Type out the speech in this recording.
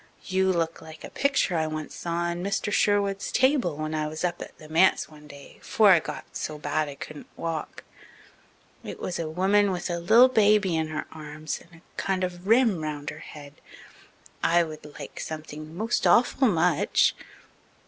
You look like a picture I once saw on Mr. Sherwood's table when I was up at the manse one day 'fore I got so bad I couldn't walk. It was a woman with a li'l baby in her arms and a kind of rim round her head. I would like something most awful much."